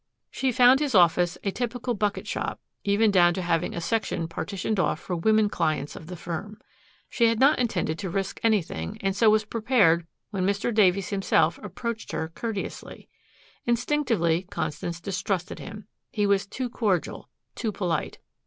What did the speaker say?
She found his office a typical bucket shop, even down to having a section partitioned off for women clients of the firm. She had not intended to risk anything, and so was prepared when Mr. Davies himself approached her courteously. Instinctively Constance distrusted him. He was too cordial, too polite.